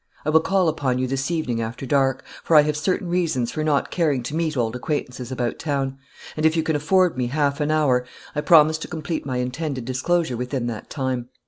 I will call upon you this evening after dark; for I have certain reasons for not caring to meet old acquaintances about town; and if you can afford me half an hour, I promise to complete my intended disclosure within that time.